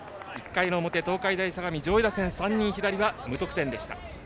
１回の表、東海大相模上位打線３人左は無得点でした。